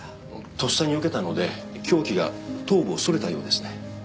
とっさによけたので凶器が頭部をそれたようですね。